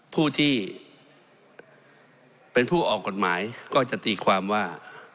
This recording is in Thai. ผู้ที่เป็นผู้ออกกฎหมายก็จะตีความว่า